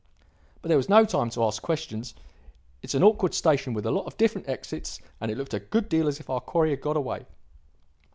"But there was no time to ask questions. It is an awkward station with a lot of different exits, and it looked a good deal as if our quarry had got away.